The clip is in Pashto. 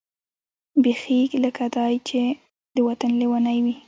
بېخي لکه دای چې د وطن لېونۍ وي.